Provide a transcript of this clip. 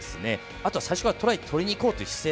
あと最初からトライを取りに行こうという姿勢